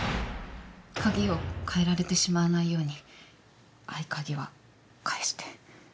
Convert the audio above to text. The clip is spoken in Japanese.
鍵を変えられてしまわないように合鍵は返して。